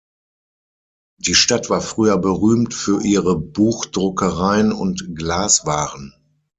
Die Stadt war früher berühmt für ihre Buchdruckereien und Glaswaren.